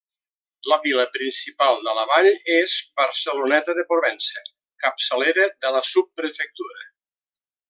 La vila principal de la vall és Barceloneta de Provença, capçalera de la subprefectura.